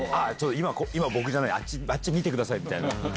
「今僕じゃないあっち見てください」みたいな。